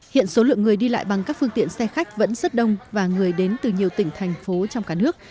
hiện số lượng người đi lại bằng các phương tiện xe khách vẫn rất đông và người đến từ nhiều tỉnh thành phố trong cả nước